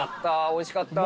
おいしかった。